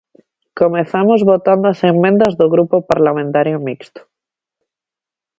Comezamos votando as emendas do Grupo Parlamentario Mixto.